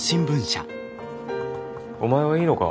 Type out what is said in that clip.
お前はいいのか？